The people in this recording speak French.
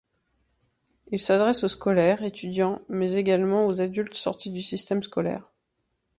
Ils s'adressent aux scolaires, étudiants mais également aux adultes sortis du système scolaire.